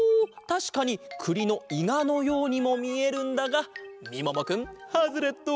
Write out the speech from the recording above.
たしかにくりのいがのようにもみえるんだがみももくんハズレット！